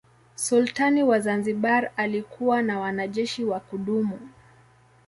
Sultani wa Zanzibar alikuwa na wanajeshi wa kudumu.